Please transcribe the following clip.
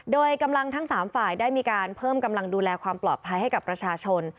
โดยกำลังทั้ง๓ฝ่ายได้มีการเพิ่มกำลังดูแลความปลอดภัยให้กับประชาชน